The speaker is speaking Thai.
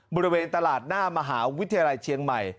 บริเวณตลาดหน้ามหาวิทยาลัยเชียงใหม่